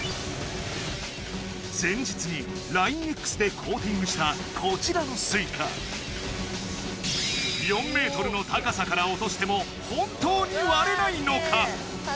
前日にＬＩＮＥ−Ｘでコーティングしたこちらのスイカ４ｍの高さから落としても本当に割れないのか？